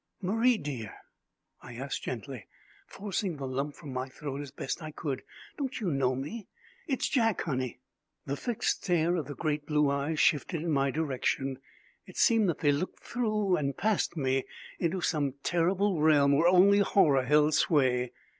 "Marie, dear," I asked gently, forcing the lump from my throat as best I could, "don't you know me? It's Jack, Honey." The fixed stare of the great blue eyes shifted in my direction. It seemed that they looked through and past me into some terrible realm where only horror held sway.